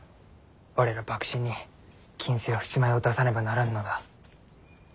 我ら幕臣に金子や扶持米を出さねばならぬのだ。